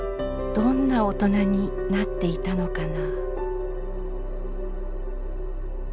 「どんな大人になっていたのかな」。